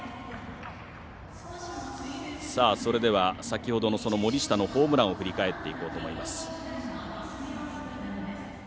それでは、先ほどの森下のホームランを振り返っていこうと思います。